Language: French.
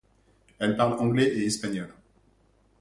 Elle parle anglais et espagnol.